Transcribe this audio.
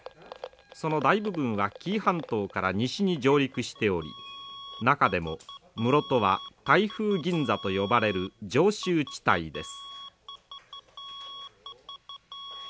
その大部分は紀伊半島から西に上陸しており中でも室戸は台風銀座と呼ばれる常襲地帯です。